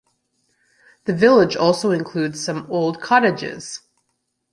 The village also includes some old cottages.